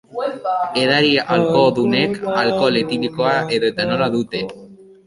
Edari alkoholdunek alkohol etilikoa edo etanola dute.